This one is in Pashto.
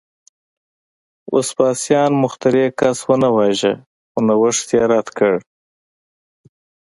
وسپاسیان مخترع کس ونه واژه، خو نوښت یې رد کړ